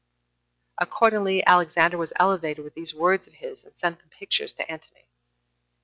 Accordingly, Alexandra was elevated with these words of his, and sent the pictures to Antony.